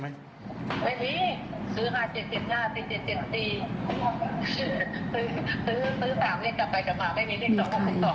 ไม่มีซื้อ๕๗๗๕๗ตีซื้อ๓เลขกลับไปกลับมาไม่มีเลข๒๖๒